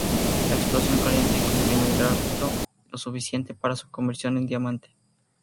La explosión calienta y comprime el grafito lo suficiente para su conversión en diamante.